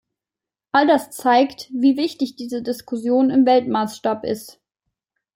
All das zeigt, wie wichtig diese Diskussion im Weltmaßstab ist.